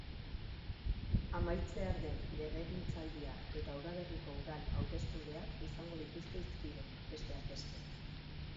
Amaitzear den legegintzaldia eta udaberriko udal hauteskundeak izango dituzte hizpide, besteak beste.